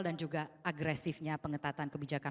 dan juga agresifnya pengetatan kebijaksanaan